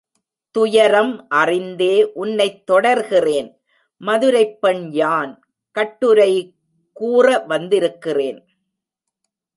துயரம் அறிந்தே உன்னைத் தொடர்கிறேன் மதுரைப்பெண் யான், கட்டுரை கூற வந்திருக்கிறேன்.